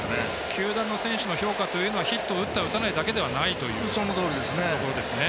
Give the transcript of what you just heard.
球団の選手の評価というのはヒットを打った、打たないだけではないということですね。